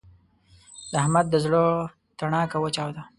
د احمد د زړه تڼاکه وچاوده.